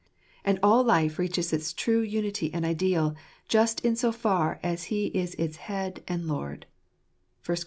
And all life reaches its true unity and ideal just in so far as He is its Head, and Lord (1 Cor.